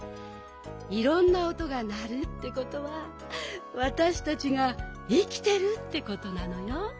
いろんなおとがなるってことはわたしたちがいきてるってことなのよ。